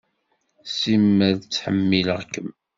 Simmal ttḥemmileɣ-kem.